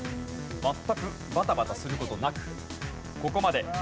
全くバタバタする事なくここまできました。